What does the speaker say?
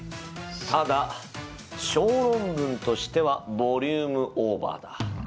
ただ小論文としてはボリュームオーバーだ。